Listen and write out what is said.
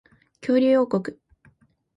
恐竜王国